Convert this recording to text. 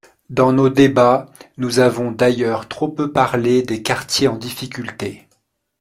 Dans nos débats, nous avons d’ailleurs trop peu parlé des quartiers en difficulté.